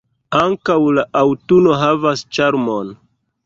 Ankaŭ la aŭtuno havas ĉarmon.